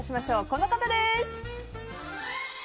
この方です。